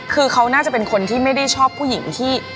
คือเขาน่าจะเป็นคนที่ไม่ได้ชอบผู้หญิงที่